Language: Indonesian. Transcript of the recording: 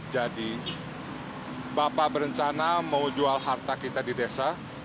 jadi bapak berencana mau jual harta kita di desa